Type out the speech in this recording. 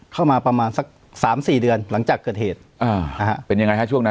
เข้ามาประมาณสักสามสี่เดือนหลังจากเกิดเหตุอ่านะฮะเป็นยังไงฮะช่วงนั้น